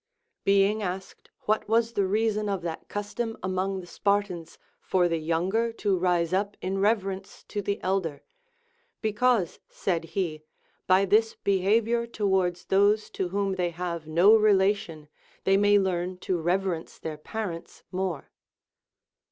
Being asked what was the reason of that custom among the Spartans for the younger to rise up in reverence to the elder, Be cause, said he, by this behavior towards those to whom 4 52 LACONIC APOPHTHEGMS. they have no relation, they may learn to reverence their parents more.